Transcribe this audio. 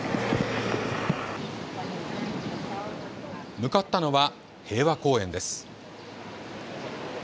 向かったのは平和公園です。